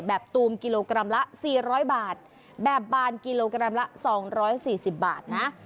ตูมกิโลกรัมละ๔๐๐บาทแบบบานกิโลกรัมละ๒๔๐บาทนะ